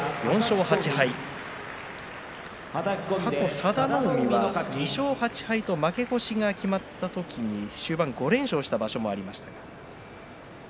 過去、佐田の海は２勝８敗と負け越しが決まった時に終盤５連勝したこともありました。